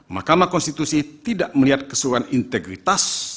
mahkamah konstitusi tidak melihat keseluruhan integritas